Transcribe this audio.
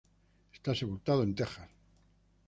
Está sepultado en Texas.